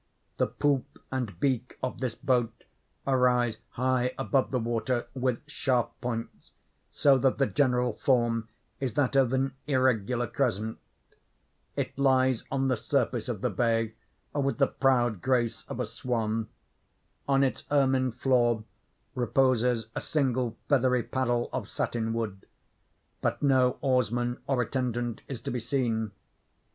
The poop and beak of this boat arise high above the water, with sharp points, so that the general form is that of an irregular crescent. It lies on the surface of the bay with the proud grace of a swan. On its ermined floor reposes a single feathery paddle of satin wood; but no oarsmen or attendant is to be seen.